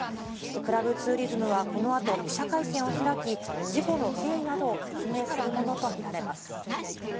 クラブツーリズムはこのあと、記者会見を開き、事故の経緯などを説明するものと見られます。